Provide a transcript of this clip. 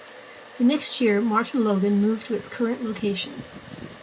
The next year MartinLogan moved to its current location.